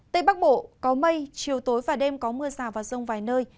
tây bắc bộ có mây chiều tối và đêm có mưa rào và rông vài nơi